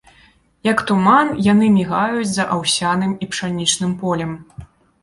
Як туман, яны мігаюць за аўсяным і пшанічным полем.